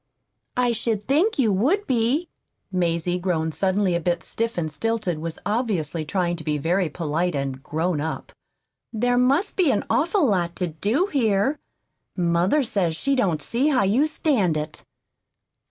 "I should think you would be." Mazie, grown suddenly a bit stiff and stilted, was obviously trying to be very polite and "grown up." "There must be an awful lot to do here. Mother says she don't see how you stand it."